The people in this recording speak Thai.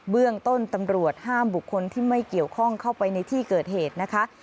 เบื้องต้นตำรวจห้ามบุคคลที่ไม่เกี่ยวข้องเข้าไปในที่เกิดเหตุนะคะ